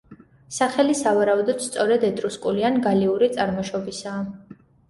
სახელი სავარაუდოდ სწორედ ეტრუსკული ან გალიური წარმოშობისაა.